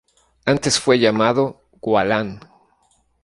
Antes fue llamado "Gualán".